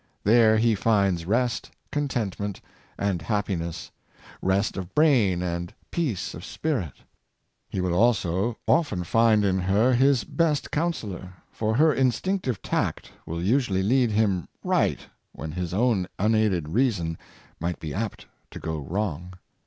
There he finds rest, con tentment, and happiness — rest of brain and peace of spirit. He will also often find in her his best counsellor, for her instinctive tact will usually lead him rio^ht when his own unaided reason might be apt to go wrong.